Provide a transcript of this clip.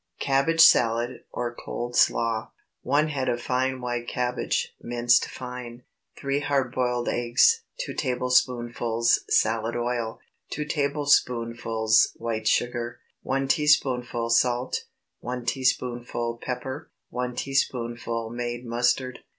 CABBAGE SALAD, OR COLD SLAW. ✠ 1 head of fine white cabbage, minced fine. 3 hard boiled eggs. 2 tablespoonfuls salad oil. 2 tablespoonfuls white sugar. 1 teaspoonful salt. 1 teaspoonful pepper. 1 teaspoonful made mustard.